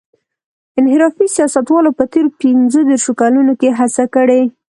انحرافي سیاستوالو په تېرو پينځه دېرشو کلونو کې هڅه کړې.